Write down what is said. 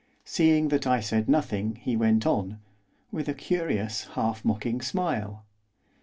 Seeing that I said nothing he went on, with a curious, half mocking smile.